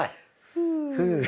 ふう。